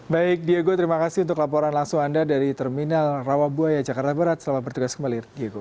baik diego terima kasih untuk laporan langsung anda dari terminal rawabuaya jakarta barat selamat bertugas kembali diego